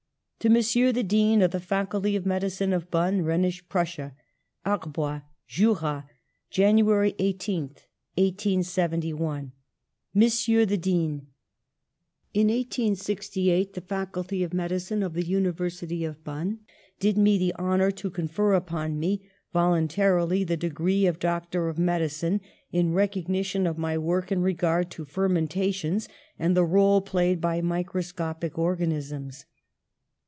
To Monsieur the Dean of the Faculty of Medicine at Bonn [Rhenish Prussia) "Arbois, Jura, January 18th, 1871. ''Monsieur the Dean: In 1868 the Faculty of Medicine of the University of Bonn did me the honour to confer upon me voluntarily the degree of Doctor of Medicine, in recognition of my work in regard to fermentations and the role played by microscopic organisms.